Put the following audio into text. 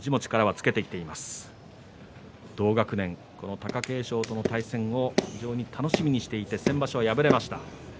同学年、貴景勝との対戦を非常に楽しみにしていて先場所は敗れました。